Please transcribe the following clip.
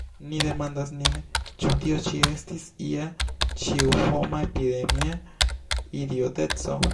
ni demandas nin; ĉu tio ĉi estis ia ĉiuhoma epidemia idioteco?